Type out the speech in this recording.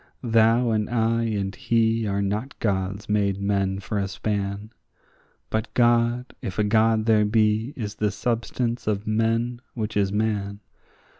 Thou and I and he are not gods made men for a span, But God, if a God there be, is the substance of men which is man.